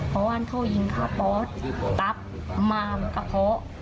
พอวันเขายิงค่ะปอดตับมามกระเพาะ